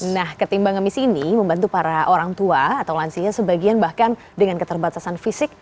nah ketimbang ngemis ini membantu para orang tua atau lansia sebagian bahkan dengan keterbatasan fisik